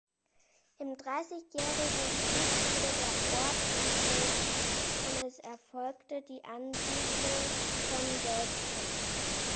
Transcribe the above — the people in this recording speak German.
Im Dreißigjährigen Krieg wurde der Ort entvölkert, und es erfolgte die Ansiedlung von Deutschen.